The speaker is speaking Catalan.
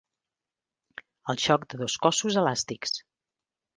El xoc de dos cossos elàstics.